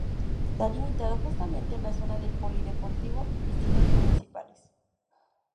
Esta limitado justamente en la zona del polideportivo y piscinas municipales.